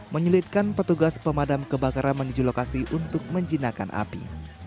menyulitkan petugas pemadam kebakaran menuju lokasi untuk menjinakkan api